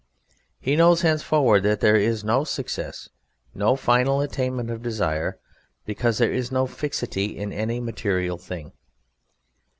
He knows henceforward that there is no success, no final attainment of desire, because there is no fixity in any material thing.